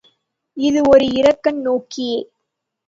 இது ஒரு இருகண் நோக்கியே.